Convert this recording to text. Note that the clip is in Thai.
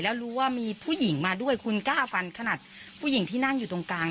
แล้วรู้ว่ามีผู้หญิงมาด้วยคุณกล้าฟันขนาดผู้หญิงที่นั่งอยู่ตรงกลาง